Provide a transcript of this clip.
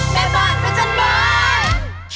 แม่บอร์ดพระจันทร์บอร์ด